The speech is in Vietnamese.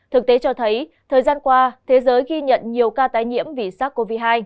thực tế cho thấy thời gian qua thế giới ghi nhận nhiều ca tái nhiễm vì sars cov hai